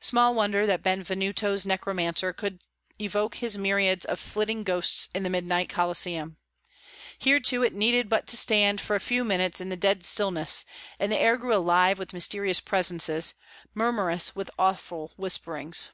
Small wonder that Benvenuto's necromancer could evoke his myriads of flitting ghosts in the midnight Colosseum; here too it needed but to stand for a few minutes in the dead stillness, and the air grew alive with mysterious presences, murmurous with awful whisperings.